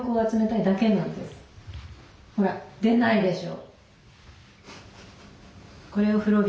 ほら出ないでしょ。